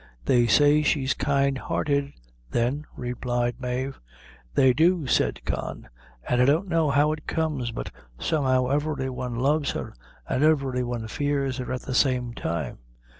"They say she's kind hearted, then," replied Mave. "They do," said Con, "an' I don't know how it comes; but somehow every one loves her, and every one fears her at the same time.